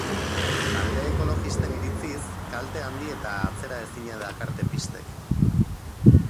Talde ekologisten iritziz kalte handi eta atzeraezina dakarte pistek.